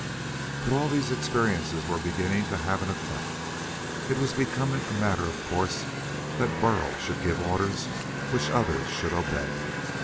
But all these experiences were beginning to have an effect. It was becoming a matter of course that Burl should give orders which others should obey.